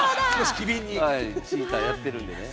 チーター、やってるんでね。